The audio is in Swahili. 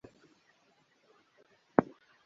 Hali halisi kuna umbali mkubwa kati yao.